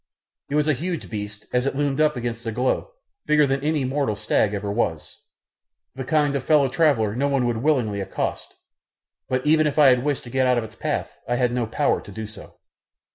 It was a huge beast as it loomed up against the glow, bigger than any mortal stag ever was the kind of fellow traveller no one would willingly accost, but even if I had wished to get out of its path I had no power to do so.